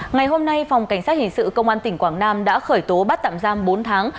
ngày hôm nay phòng cảnh sát hình sự công an tỉnh quảng nam đã khởi tố bắt tạm giam bốn tháng